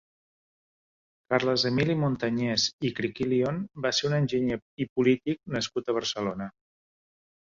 Carles Emili Montañès i Criquillion va ser un enginyer i polític nascut a Barcelona.